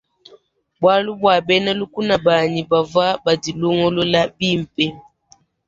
Bualu bua bena lukuna banyi bavua badilongolole bimpe.